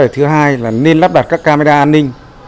thứ hai là nên lắp đặt các camera an ninh